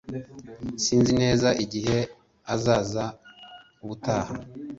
Sinzi neza igihe azaza ubutaha